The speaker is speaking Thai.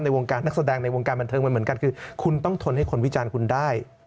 วงการนักแสดงในวงการบันเทิงมันเหมือนกันคือคุณต้องทนให้คนวิจารณ์คุณได้